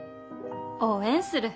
応援する。